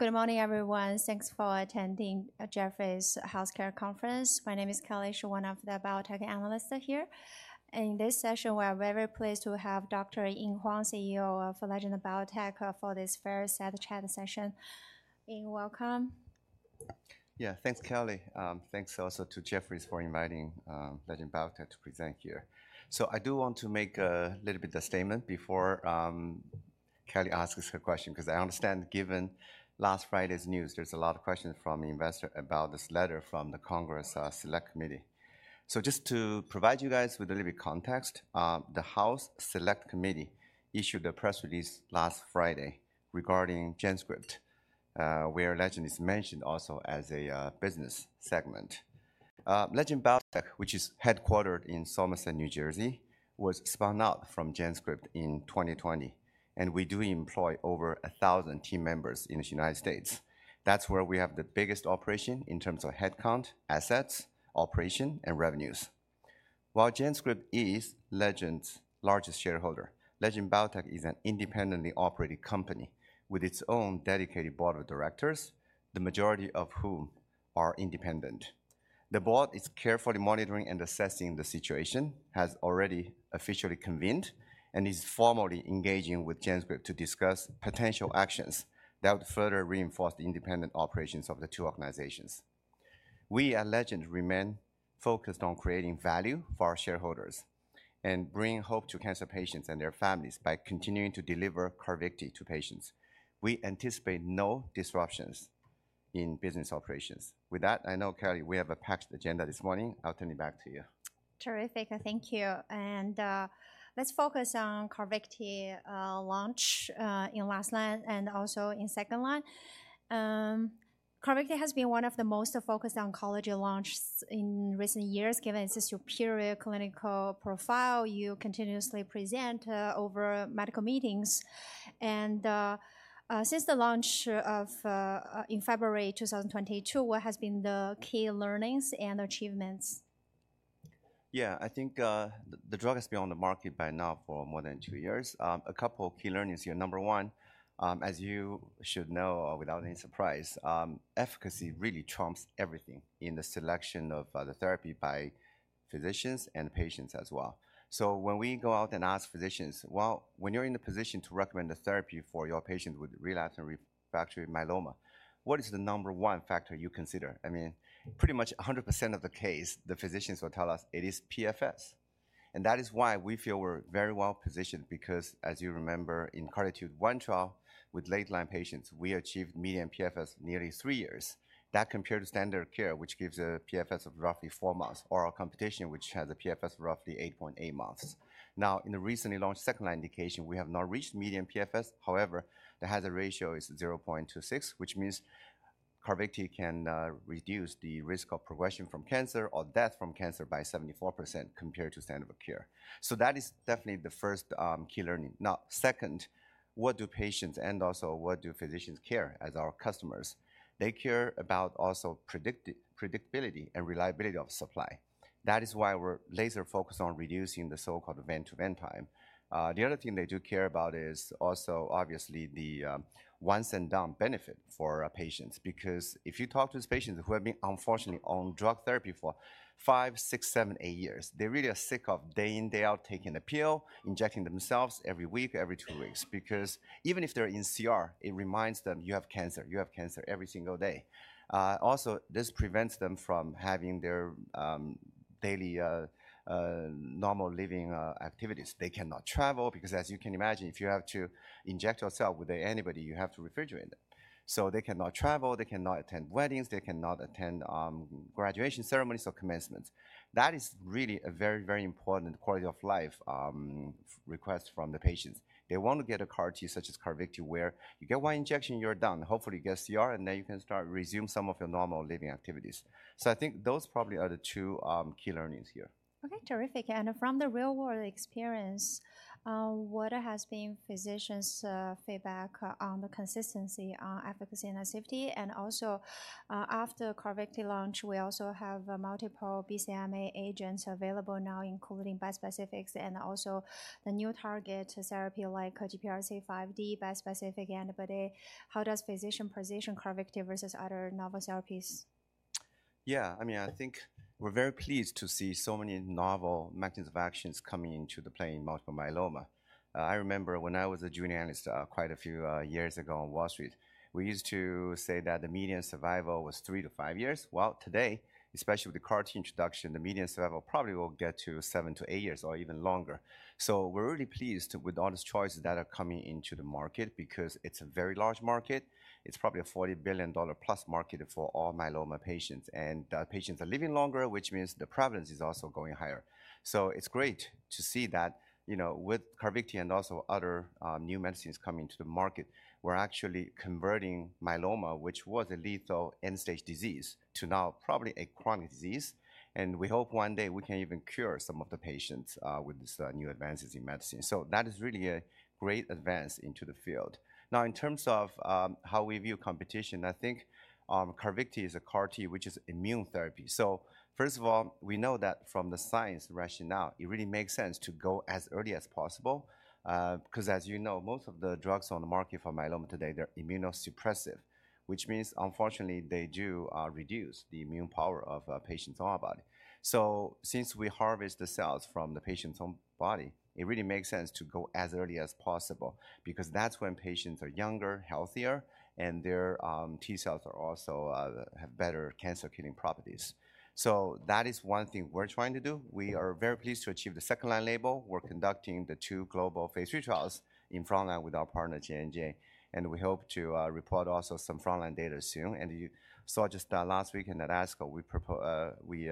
Good morning, everyone. Thanks for attending Jefferies Healthcare Conference. My name is Kelly Shi, one of the biotech analysts here. In this session, we are very pleased to have Dr. Ying Huang, CEO of Legend Biotech, for this fireside chat session. Ying, welcome. Yeah, thanks, Kelly. Thanks also to Jefferies for inviting Legend Biotech to present here. So I do want to make a little bit of statement before Kelly asks her question, 'cause I understand given last Friday's news, there's a lot of questions from investor about this letter from the Congress Select Committee. So just to provide you guys with a little bit context, the House Select Committee issued a press release last Friday regarding GenScript, where Legend is mentioned also as a business segment. Legend Biotech, which is headquartered in Somerset, New Jersey, was spun out from GenScript in 2020, and we do employ over 1,000 team members in the United States. That's where we have the biggest operation in terms of headcount, assets, operation, and revenues. While GenScript is Legend's largest shareholder, Legend Biotech is an independently operated company with its own dedicated board of directors, the majority of whom are independent. The board is carefully monitoring and assessing the situation, has already officially convened, and is formally engaging with GenScript to discuss potential actions that would further reinforce the independent operations of the two organizations. We at Legend remain focused on creating value for our shareholders and bringing hope to cancer patients and their families by continuing to deliver CARVYKTI to patients. We anticipate no disruptions in business operations. With that, I know, Kelly, we have a packed agenda this morning. I'll turn it back to you. Terrific, thank you, and let's focus on CARVYKTI launch in last line and also in second line. CARVYKTI has been one of the most focused oncology launches in recent years, given its superior clinical profile you continuously present over medical meetings. And since the launch of in February 2022, what has been the key learnings and achievements? Yeah, I think, the drug has been on the market by now for more than two years. A couple key learnings here. Number one, as you should know, without any surprise, efficacy really trumps everything in the selection of the therapy by physicians and patients as well. So when we go out and ask physicians, "Well, when you're in the position to recommend a therapy for your patient with relapse and refractory myeloma, what is the number one factor you consider?" I mean, pretty much 100% of the case, the physicians will tell us it is PFS. And that is why we feel we're very well positioned, because as you remember, in CARTITUDE-1 trial with late-line patients, we achieved median PFS nearly three years. That compared to standard care, which gives a PFS of roughly 4 months, or our competition, which has a PFS of roughly 8.8 months. Now, in the recently launched second-line indication, we have not reached median PFS. However, the hazard ratio is 0.26, which means CARVYKTI can reduce the risk of progression from cancer or death from cancer by 74% compared to standard of care. So that is definitely the first key learning. Now, second, what do patients and also what do physicians care as our customers? They care about also predictability and reliability of supply. That is why we're laser focused on reducing the so-called vein-to-vein time. The other thing they do care about is also, obviously, the once and done benefit for our patients, because if you talk to these patients who have been unfortunately on drug therapy for five, six, seven, eight years, they really are sick of day in, day out, taking a pill, injecting themselves every week, every two weeks, because even if they're in CR, it reminds them: You have cancer. You have cancer every single day. Also, this prevents them from having their daily normal living activities. They cannot travel, because as you can imagine, if you have to inject yourself with anybody, you have to refrigerate it. So they cannot travel, they cannot attend weddings, they cannot attend graduation ceremonies or commencements. That is really a very, very important quality of life request from the patients. They want to get a CAR-T such as CARVYKTI, where you get one injection, you're done. Hopefully, you get CR, and then you can start resume some of your normal living activities. So I think those probably are the two key learnings here. Okay, terrific. And from the real-world experience, what has been physicians', feedback on the consistency on efficacy and safety? And also, after CARVYKTI launch, we also have multiple BCMA agents available now, including bispecifics and also the new target therapy like GPRC5D bispecific antibody. How does physician position CARVYKTI versus other novel therapies? Yeah, I mean, I think we're very pleased to see so many novel mechanisms of actions coming into the play in multiple myeloma. I remember when I was a junior analyst, quite a few years ago on Wall Street, we used to say that the median survival was 3-5 years. Well, today, especially with the CAR T introduction, the median survival probably will get to 7-8 years or even longer. So we're really pleased with all these choices that are coming into the market because it's a very large market. It's probably a $40 billion+ market for all myeloma patients, and the patients are living longer, which means the prevalence is also going higher. So it's great to see that, you know, with CARVYKTI and also other, new medicines coming to the market, we're actually converting myeloma, which was a lethal end-stage disease, to now probably a chronic disease. And we hope one day we can even cure some of the patients, with this, new advances in medicine. So that is really a great advance into the field. Now, in terms of, how we view competition, I think, CARVYKTI is a CAR-T, which is immune therapy. So first of all, we know that from the science rationale, it really makes sense to go as early as possible, because as you know, most of the drugs on the market for myeloma today, they're immunosuppressive, which means, unfortunately, they do, reduce the immune power of a patient's own body. So since we harvest the cells from the patient's own body, it really makes sense to go as early as possible because that's when patients are younger, healthier, and their T cells are also have better cancer-killing properties. So that is one thing we're trying to do. We are very pleased to achieve the second-line label. We're conducting the two global Phase III trials in frontline with our partner, J&J, and we hope to report also some frontline data soon. And you saw just last week in ASCO, we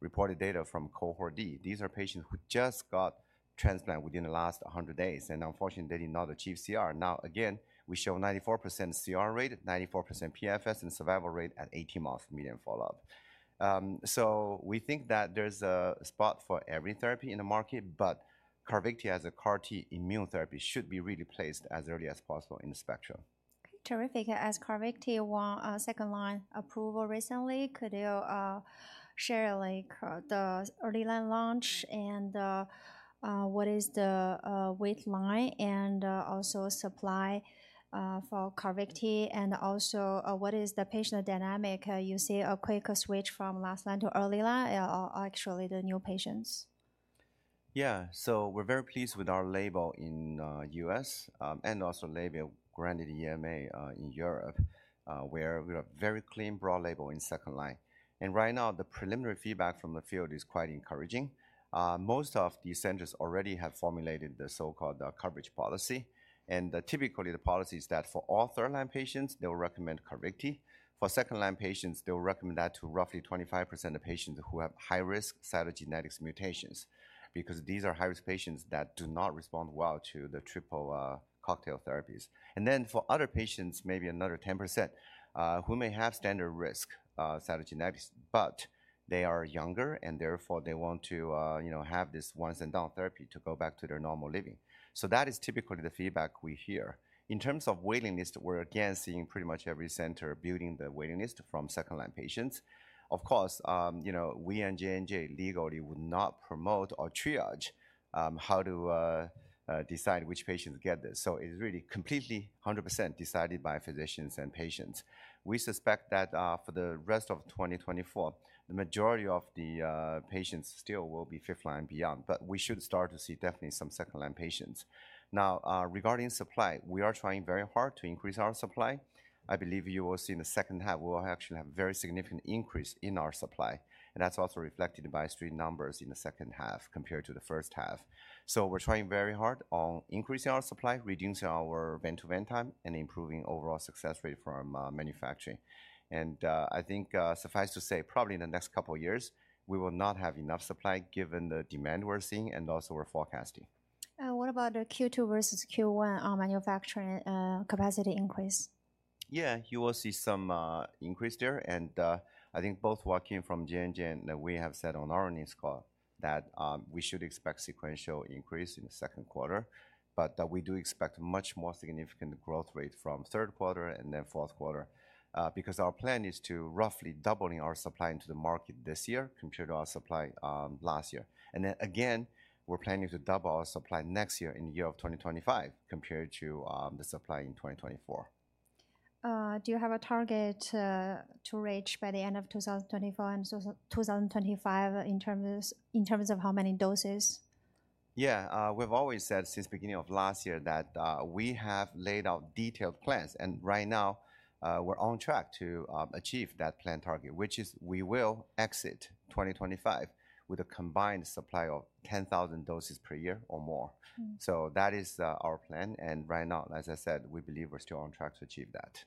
reported data from Cohort D. These are patients who just got transplant within the last 100 days, and unfortunately, they did not achieve CR. Now, again, we show 94% CR rate, 94% PFS, and survival rate at 80-month median follow-up. So, we think that there's a spot for every therapy in the market, but CARVYKTI as a CAR-T immune therapy should be really placed as early as possible in the spectrum. Okay, terrific. As CARVYKTI won second-line approval recently, could you share, like, the early line launch and what is the wait line and also supply for CARVYKTI? And also, what is the patient dynamic? You see a quicker switch from last line to early line or actually the new patients? Yeah. So we're very pleased with our label in U.S., and also label granted EMA in Europe, where we have very clean, broad label in second-line. And right now, the preliminary feedback from the field is quite encouraging. Most of these centers already have formulated the so-called coverage policy, and typically the policy is that for all third-line patients, they will recommend CARVYKTI. For second-line patients, they will recommend that to roughly 25% of patients who have high-risk cytogenetics mutations because these are high-risk patients that do not respond well to the triple cocktail therapies. And then for other patients, maybe another 10%, who may have standard risk cytogenetics, but they are younger, and therefore they want to, you know, have this once-and-done therapy to go back to their normal living. So that is typically the feedback we hear. In terms of waiting list, we're again seeing pretty much every center building the waiting list from second-line patients. Of course, you know, we and J&J legally would not promote or triage how to decide which patients get this. So it's really completely 100% decided by physicians and patients. We suspect that for the rest of 2024, the majority of the patients still will be fifth line and beyond, but we should start to see definitely some second-line patients. Now, regarding supply, we are trying very hard to increase our supply. I believe you will see in the second half, we will actually have a very significant increase in our supply, and that's also reflected by street numbers in the second half compared to the first half. We're trying very hard on increasing our supply, reducing our vein-to-vein time, and improving overall success rate from manufacturing. I think suffice to say, probably in the next couple of years, we will not have enough supply given the demand we're seeing and also we're forecasting. What about the Q2 versus Q1 on manufacturing, capacity increase? Yeah, you will see some increase there, and I think both Joaquin from J&J and we have said on our earnings call that we should expect sequential increase in the second quarter. But we do expect much more significant growth rate from third quarter and then fourth quarter, because our plan is to roughly doubling our supply into the market this year compared to our supply last year. And then again, we're planning to double our supply next year in the year of 2025 compared to the supply in 2024. Do you have a target to reach by the end of 2024 and so 2025 in terms of how many doses? Yeah. We've always said since beginning of last year that we have laid out detailed plans, and right now, we're on track to achieve that plan target, which is we will exit 2025 with a combined supply of 10,000 doses per year or more. Mm. That is our plan, and right now, as I said, we believe we're still on track to achieve that.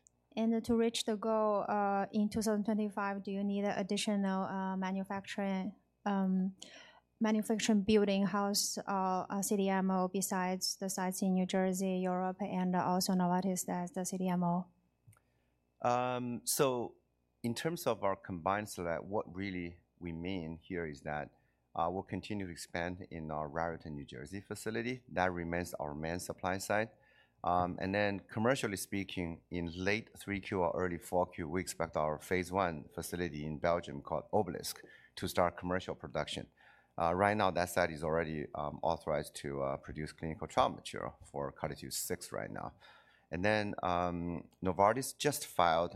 To reach the goal in 2025, do you need additional manufacturing manufacturing building house CDMO, besides the sites in New Jersey, Europe, and also Novartis as the CDMO? So in terms of our combined select, what really we mean here is that, we'll continue to expand in our Raritan, New Jersey, facility. That remains our main supply site. And then commercially speaking, in late Q3 or early Q4, we expect our Phase I facility in Belgium, called Obelisc, to start commercial production. Right now, that site is already authorized to produce clinical trial material for CARTITUDE-6 right now. And then, Novartis just filed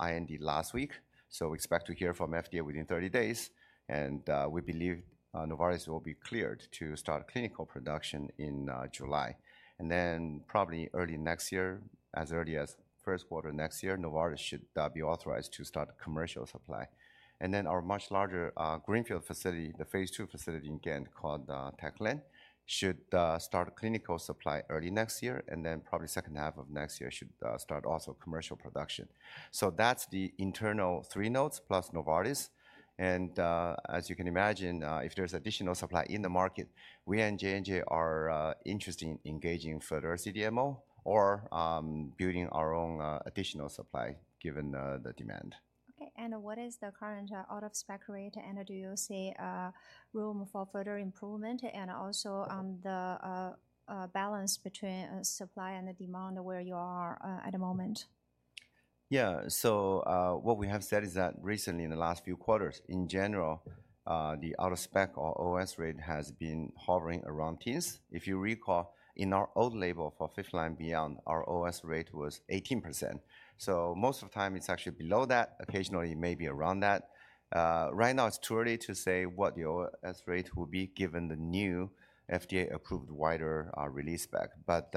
IND last week, so we expect to hear from FDA within 30 days. And, we believe, Novartis will be cleared to start clinical production in July. And then probably early next year, as early as first quarter next year, Novartis should be authorized to start commercial supply. And then our much larger, Greenfield facility, the Phase Two facility in Ghent called Tech Lane, should start clinical supply early next year, and then probably second half of next year should start also commercial production. So that's the internal three nodes plus Novartis. And, as you can imagine, if there's additional supply in the market, we and J&J are interested in engaging further CDMO or, building our own, additional supply given the, the demand. Okay. What is the current out-of-spec rate, and do you see room for further improvement? Also, the balance between supply and the demand where you are at the moment? Yeah. So, what we have said is that recently, in the last few quarters, in general, the out-of-spec or OOS rate has been hovering around teens. If you recall, in our old label for fifth line beyond, our OOS rate was 18%. So most of the time, it's actually below that, occasionally maybe around that. Right now, it's too early to say what the OOS rate will be, given the new FDA-approved wider release spec. But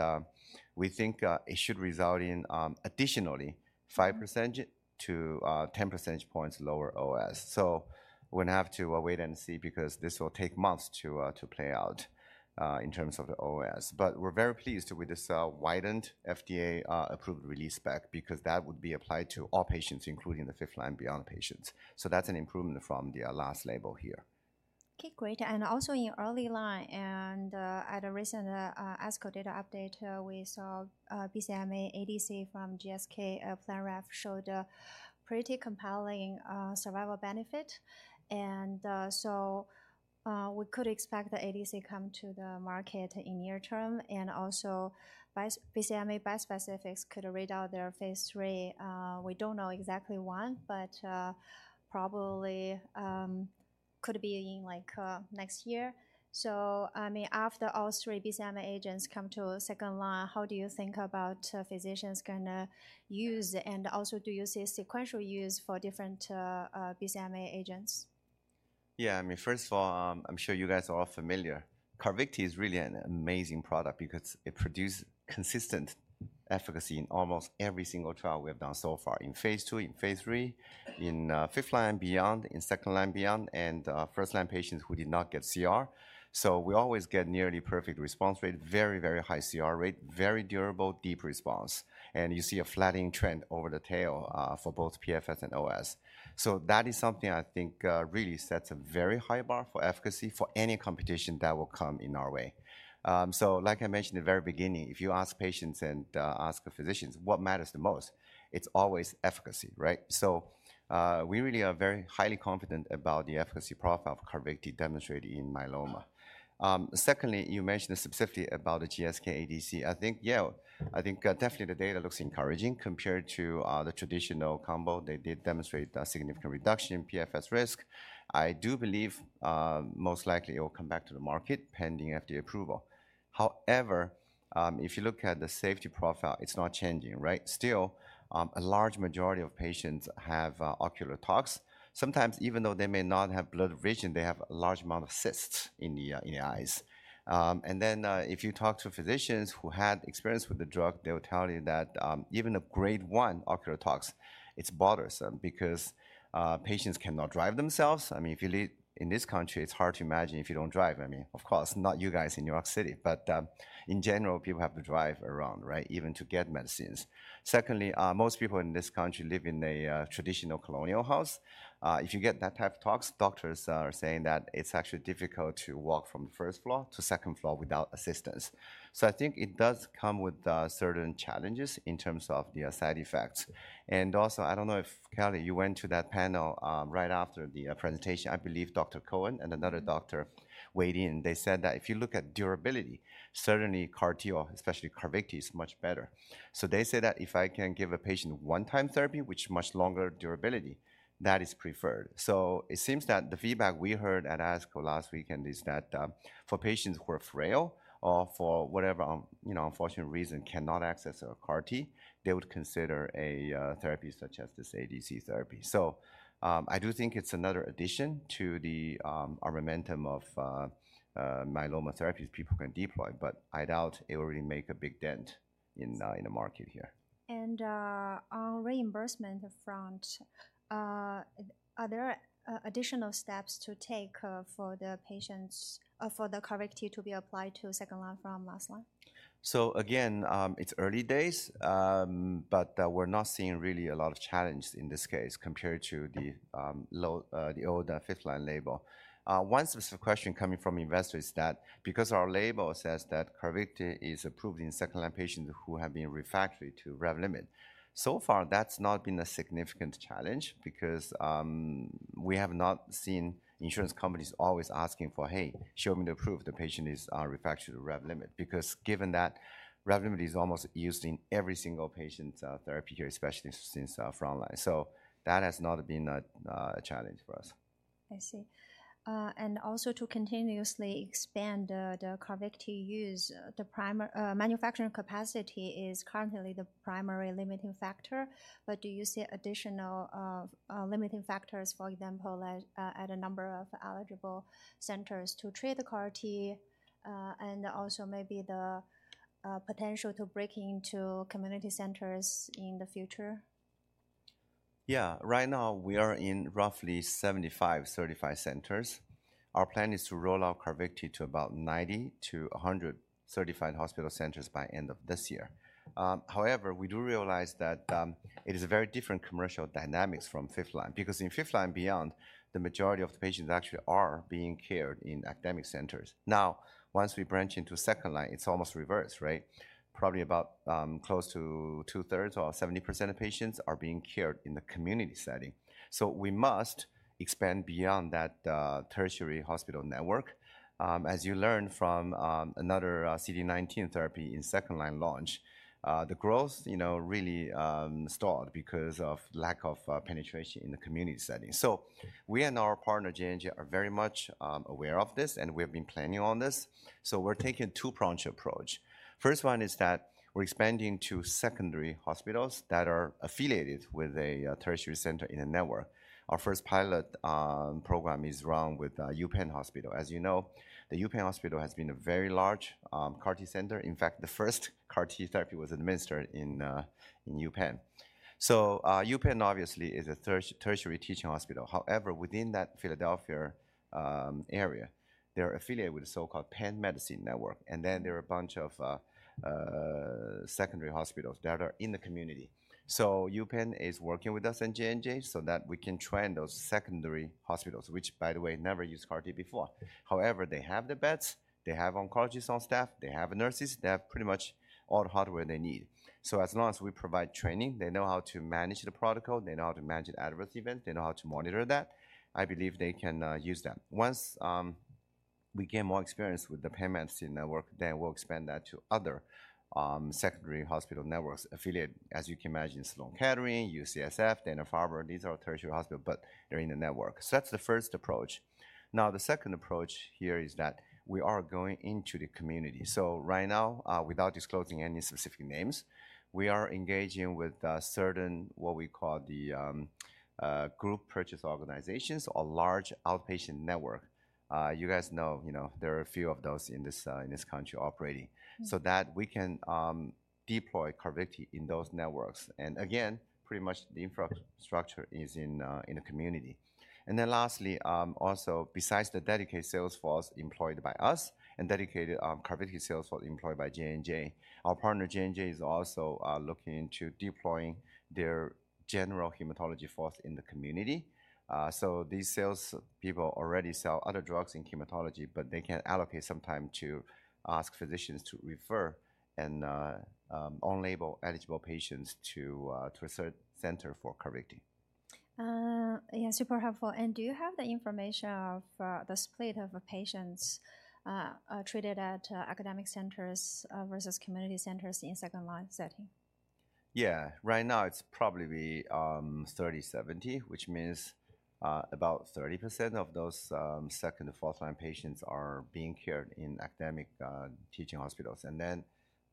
we think it should result in additionally 5-10 percentage points lower OOS. So we're gonna have to wait and see because this will take months to play out in terms of the OOS. But we're very pleased with this widened FDA approved release spec because that would be applied to all patients, including the fifth-line beyond patients. So that's an improvement from the last label here. Okay, great. And also in your early line and, at a recent, ASCO data update, we saw, BCMA ADC from GSK, Blenrep, showed a pretty compelling, survival benefit. And, so, we could expect the ADC come to the market in near term, and also BCMA bispecifics could read out their Phase III. We don't know exactly when, but, probably, could be in, like, next year. So, I mean, after all three BCMA agents come to second line, how do you think about, physicians gonna use? And also, do you see sequential use for different, BCMA agents? Yeah, I mean, first of all, I'm sure you guys are all familiar. CARVYKTI is really an amazing product because it produce consistent efficacy in almost every single trial we have done so far, in phase II, in phase III, in fifth line beyond, in second line beyond, and first-line patients who did not get CR. So we always get nearly perfect response rate, very, very high CR rate, very durable, deep response. And you see a flattening trend over the tail for both PFS and OOS. So that is something I think really sets a very high bar for efficacy for any competition that will come in our way. So like I mentioned at the very beginning, if you ask patients and ask the physicians, "What matters the most?" It's always efficacy, right? So, we really are very highly confident about the efficacy profile of CARVYKTI demonstrated in myeloma. Secondly, you mentioned specifically about the GSK ADC. I think, yeah, I think, definitely the data looks encouraging compared to, the traditional combo. They did demonstrate a significant reduction in PFS risk. I do believe, most likely it will come back to the market, pending FDA approval. However, if you look at the safety profile, it's not changing, right? Still, a large majority of patients have, ocular tox. Sometimes, even though they may not have blurred vision, they have a large amount of cysts in the, in the eyes. And then, if you talk to physicians who had experience with the drug, they will tell you that, even a grade one ocular tox, it's bothersome because, patients cannot drive themselves. I mean, if you live in this country, it's hard to imagine if you don't drive. I mean, of course, not you guys in New York City, but, in general, people have to drive around, right? Even to get medicines. Secondly, most people in this country live in a, traditional colonial house. If you get that type of tox, doctors are saying that it's actually difficult to walk from the first floor to second floor without assistance. So I think it does come with, certain challenges in terms of the side effects. And also, I don't know if, Kelly, you went to that panel, right after the, presentation. I believe Dr. Cohen and another doctor weighed in. They said that if you look at durability, certainly CAR-T or especially CARVYKTI, is much better. So they say that if I can give a patient one-time therapy, which much longer durability, that is preferred. So it seems that the feedback we heard at ASCO last weekend is that, for patients who are frail or for whatever, you know, unfortunate reason, cannot access a CAR T, they would consider a therapy such as this ADC therapy. So I do think it's another addition to the our momentum of myeloma therapies people can deploy, but I doubt it will really make a big dent in in the market here. On reimbursement front, are there additional steps to take for the patients, for the CARVYKTI to be applied to second line from last line? So again, it's early days, but we're not seeing really a lot of challenge in this case compared to the old fifth line label. One specific question coming from investors is that because our label says that CARVYKTI is approved in second-line patients who have been refractory to Revlimid. So far, that's not been a significant challenge because we have not seen insurance companies always asking for, "Hey, show me the proof the patient is refractory to Revlimid." Because given that Revlimid is almost used in every single patient's therapy here, especially since front line. So that has not been a challenge for us. I see. And also to continuously expand the CARVYKTI use, the primary manufacturing capacity is currently the primary limiting factor. But do you see additional limiting factors, for example, at a number of eligible centers to treat the CAR-T, and also maybe the potential to break into community centers in the future? Yeah. Right now, we are in roughly 75 certified centers. Our plan is to roll out CARVYKTI to about 90-100 certified hospital centers by end of this year. However, we do realize that it is a very different commercial dynamics from fifth line, because in fifth line beyond, the majority of the patients actually are being cared in academic centers. Now, once we branch into second line, it's almost reverse, right? Probably about close to two-thirds or 70% of patients are being cared in the community setting. So we must expand beyond that tertiary hospital network. As you learn from another CD19 therapy in second line launch, the growth, you know, really stalled because of lack of penetration in the community setting. So we and our partner, J&J, are very much aware of this, and we have been planning on this. So we're taking a two-pronged approach. First one is that we're expanding to secondary hospitals that are affiliated with a tertiary center in a network. Our first pilot program is run with UPenn Hospital. As you know, the UPenn Hospital has been a very large CAR-T center. In fact, the first CAR-T therapy was administered in UPenn. So UPenn obviously is a tertiary teaching hospital. However, within that Philadelphia area, they're affiliated with a so-called Penn Medicine network, and then there are a bunch of secondary hospitals that are in the community. So UPenn is working with us and J&J so that we can train those secondary hospitals, which, by the way, never used CAR-T before. However, they have the beds, they have oncologists on staff, they have nurses, they have pretty much all the hardware they need. So as long as we provide training, they know how to manage the protocol, they know how to manage the adverse event, they know how to monitor that, I believe they can use that. Once we gain more experience with the Penn Medicine network, then we'll expand that to other secondary hospital networks affiliate, as you can imagine, Sloan Kettering, UCSF, Dana-Farber, these are tertiary hospital, but they're in the network. So that's the first approach. Now, the second approach here is that we are going into the community. So right now, without disclosing any specific names, we are engaging with certain, what we call the group purchase organizations or large outpatient network. You guys know, you know, there are a few of those in this, in this country operating- Mm-hmm. So that we can deploy CARVYKTI in those networks. And again, pretty much the infrastructure is in the community. And then lastly, also, besides the dedicated sales force employed by us and dedicated CARVYKTI sales force employed by J&J, our partner, J&J, is also looking into deploying their general hematology force in the community. So these sales people already sell other drugs in hematology, but they can allocate some time to ask physicians to refer and on-label eligible patients to a certified center for CARVYKTI. Yeah, super helpful. And do you have the information of the split of patients treated at academic centers versus community centers in second-line setting? Yeah. Right now, it's probably 30-70, which means about 30% of those second- to fourth-line patients are being cared in academic teaching hospitals, and then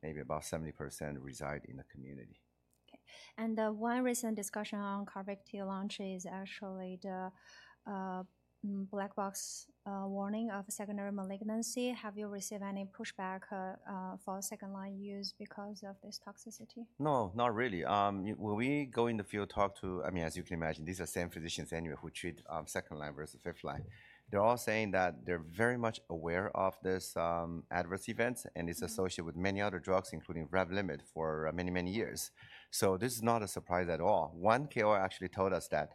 maybe about 70% reside in the community. Okay. One recent discussion on CARVYKTI launch is actually the black box warning of secondary malignancy. Have you received any pushback for second-line use because of this toxicity? No, not really. When we go in the field, talk to... I mean, as you can imagine, these are same physicians anyway, who treat second line versus fifth line. They're all saying that they're very much aware of this adverse events, and it's associated with many other drugs, including Revlimid, for many, many years. So this is not a surprise at all. One KOL actually told us that,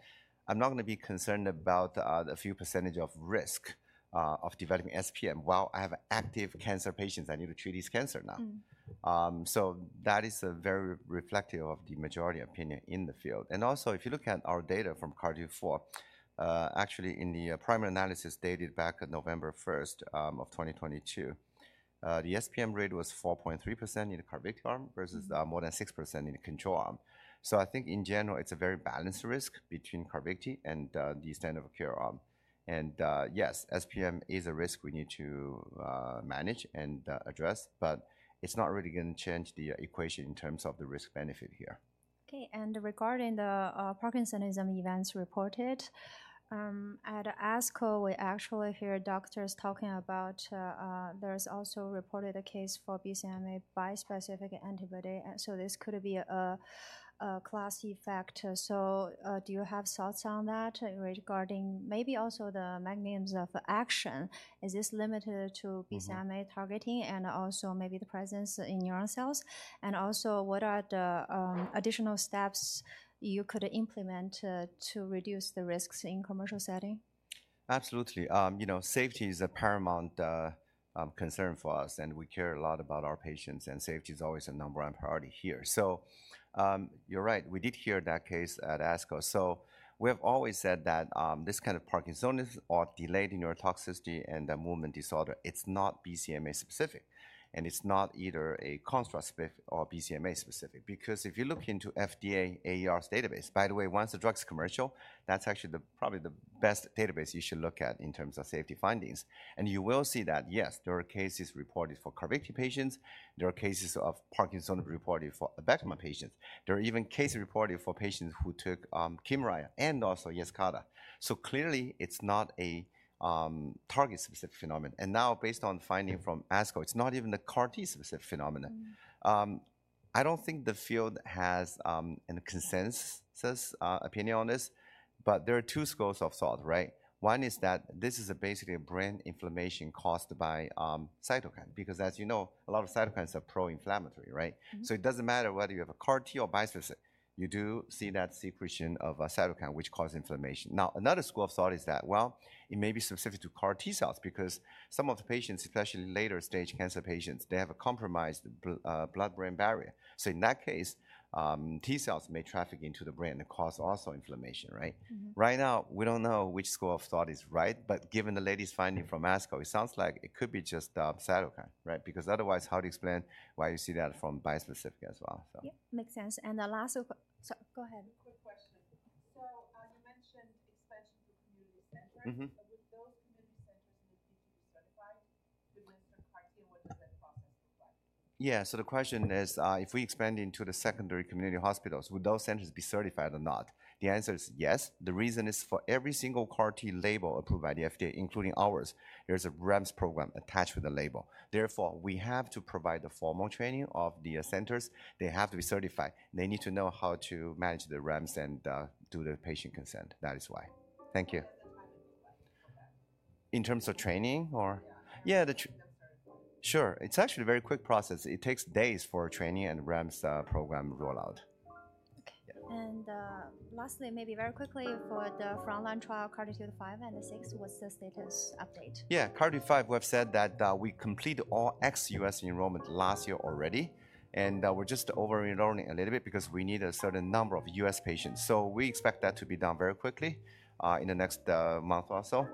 "I'm not gonna be concerned about the few percentage of risk of developing SPM while I have active cancer patients. I need to treat this cancer now. Mm-hmm. So that is a very reflective of the majority opinion in the field. And also, if you look at our data from CARTITUDE-4, actually, in the primary analysis dated back at November first of 2022, the SPM rate was 4.3% in the CARVYKTI arm- Mm-hmm. - versus, more than 6% in the control arm. So I think in general, it's a very balanced risk between CARVYKTI and, the standard of care arm. And, yes, SPM is a risk we need to, manage and, address, but it's not really gonna change the equation in terms of the risk-benefit here. Okay, and regarding the Parkinsonism events reported at ASCO, we actually hear doctors talking about, there's also reported a case for BCMA bispecific antibody. And so this could be a class effect. So, do you have thoughts on that regarding maybe also the mechanisms of action? Is this limited to BCMA- Mm-hmm targeting and also maybe the presence in neuron cells? And also, what are the additional steps you could implement to reduce the risks in commercial setting? Absolutely. You know, safety is a paramount concern for us, and we care a lot about our patients, and safety is always a number one priority here. So, you're right, we did hear that case at ASCO. So we have always said that this kind of parkinsonism or delayed neurotoxicity and the movement disorder, it's not BCMA specific, and it's not either a construct specific or BCMA specific. Because if you look into FDA AERS database. By the way, once the drug's commercial, that's actually the, probably the best database you should look at in terms of safety findings. And you will see that, yes, there are cases reported for CARVYKTI patients, there are cases of Parkinson's reported for Abecma patients. There are even cases reported for patients who took Kymriah and also Yescarta. So clearly, it's not a target-specific phenomenon. Now, based on findings from ASCO, it's not even a CAR-T specific phenomenon. I don't think the field has a consensus opinion on this, but there are two schools of thought, right? One is that this is basically a brain inflammation caused by cytokine, because as you know, a lot of cytokines are pro-inflammatory, right? Mm-hmm. So it doesn't matter whether you have a CAR T or bispecific, you do see that secretion of a cytokine which causes inflammation. Now, another school of thought is that, well, it may be specific to CAR T cells because some of the patients, especially later-stage cancer patients, they have a compromised blood-brain barrier. So in that case, T cells may traffic into the brain and cause also inflammation, right? Mm-hmm. Right now, we don't know which school of thought is right, but given the latest finding from ASCO, it sounds like it could be just the cytokine, right? Because otherwise, how to explain why you see that from bispecific as well, so. Yeah, makes sense. Sorry, go ahead. Quick question. So, you mentioned expansion to community centers. Mm-hmm. Would those community centers need to be certified to administer CAR-T, and what does that process look like? Yeah. So the question is, if we expand into the secondary community hospitals, would those centers be certified or not? The answer is yes. The reason is for every single CAR-T label approved by the FDA, including ours, there's a REMS program attached with the label. Therefore, we have to provide the formal training of the centers. They have to be certified. They need to know how to manage the REMS and do the patient consent. That is why. Thank you. What is the time requirement for that? In terms of training or- Yeah. Yeah, the The certification. Sure. It's actually a very quick process. It takes days for training and REMS program rollout. Okay. Yeah. And, lastly, maybe very quickly for the front-line trial, CARTITUDE-5 and CARTITUDE-6, what's the status update? Yeah, CARTITUDE-5, we've said that, we completed all ex-US enrollment last year already, and, we're just over-enrolling a little bit because we need a certain number of US patients, so we expect that to be done very quickly, in the next, month or so.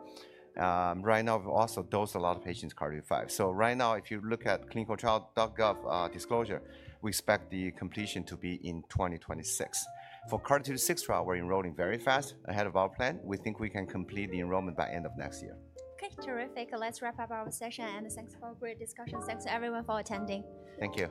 Right now, we've also dosed a lot of patients, CARTITUDE-5. So right now, if you look at clinicaltrials.gov, disclosure, we expect the completion to be in 2026. For CARTITUDE-6 trial, we're enrolling very fast, ahead of our plan. We think we can complete the enrollment by end of next year. Okay, terrific. Let's wrap up our session, and thanks for a great discussion. Thanks, everyone, for attending. Thank you.